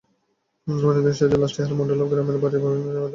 ময়নাতদন্ত শেষে লাশটি হেলাল মণ্ডলের গ্রামের বাড়ি বগুড়ায় নিয়ে দাফন করা হয়।